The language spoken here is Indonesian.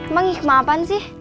emang hikmah apaan sih